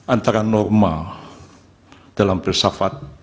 antara norma dalam filsafat